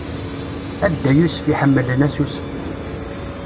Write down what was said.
A Dda Yusef iḥemmlen asusef.